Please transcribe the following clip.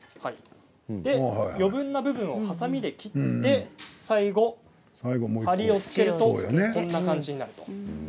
余分な部分をはさみで切って最後はりをつけるとこんな感じになります。